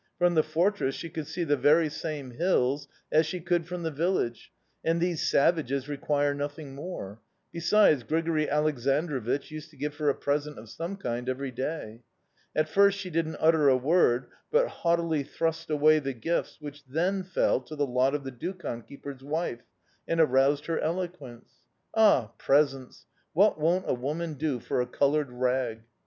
From the fortress she could see the very same hills as she could from the village and these savages require nothing more. Besides, Grigori Aleksandrovich used to give her a present of some kind every day. At first she didn't utter a word, but haughtily thrust away the gifts, which then fell to the lot of the dukhan keeper's wife and aroused her eloquence. Ah, presents! What won't a woman do for a coloured rag!...